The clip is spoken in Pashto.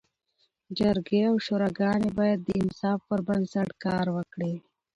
جرګي او شوراګاني باید د انصاف پر بنسټ کار وکړي.